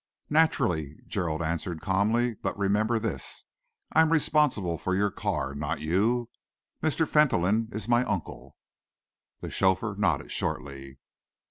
"Naturally," Gerald answered calmly, "but remember this. I am responsible for your car not you. Mr. Fentolin is my uncle." The chauffeur nodded shortly.